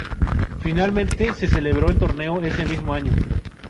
Finalmente se celebró el torneo ese mismo año.